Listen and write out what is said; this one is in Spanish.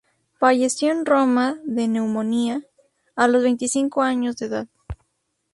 Falleció en Roma de neumonía, a los veinticinco años de edad.